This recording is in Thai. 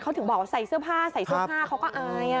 เขาถึงบอกว่าใส่เสื้อผ้าเขาก็อาย